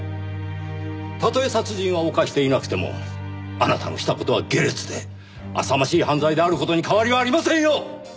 たとえ殺人は犯していなくてもあなたのした事は下劣で浅ましい犯罪である事に変わりはありませんよ！